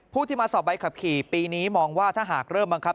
ผู้ที่มาสอบใบขับขี่ปีนี้มองว่าถ้าหากเริ่มบังคับ